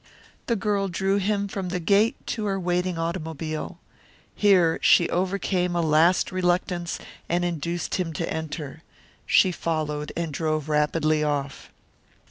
The girl drew him from the gate to her waiting automobile. Here she overcame a last reluctance and induced him to enter. She followed and drove rapidly off.